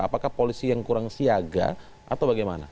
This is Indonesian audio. apakah polisi yang kurang siaga atau bagaimana